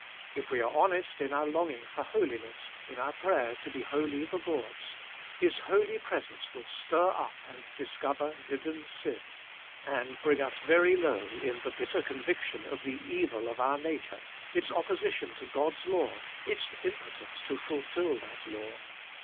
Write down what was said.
If we are honest in our longing for holiness, in our prayer to be wholly the Lord's, His holy presence will stir up and discover hidden sin, and bring us very low in the bitter conviction of the evil of our nature, its opposition to God's law, its impotence to fulfil that law.